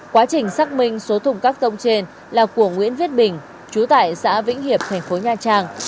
quá trình xác minh số thùng cắt tông trên là của nguyễn viết bình chú tại xã vĩnh hiệp tp nha trang